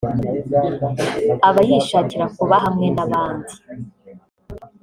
abayishakira kuba hamwe n’abandi